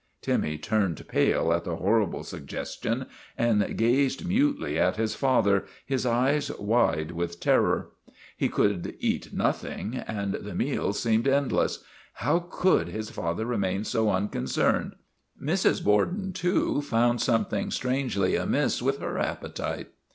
Timmy turned pale at the horrible suggestion and gazed mutely at his father, his eyes wide with ter THE REGENERATION OF TIMMY 207 ror. He could eat nothing and the meal seemed endless. How could his father remain so uncon cerned? Mrs. Borden, too, found something strangely amiss with her appetite.